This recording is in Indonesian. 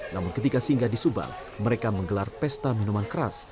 namun ketika singgah di subang mereka menggelar pesta minuman keras